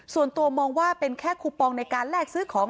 ส่วนตัวมองว่าเป็นแค่คูปองในการแลกซื้อของ